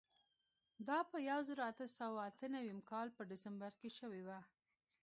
دا په یوه زرو اتو سوو اته نوېم کال په ډسمبر کې شوې وه.